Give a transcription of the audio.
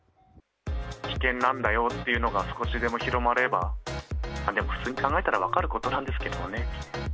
危険なんだよっていうのが少しでも広まれば、でも普通に考えたら分かることなんですけどね。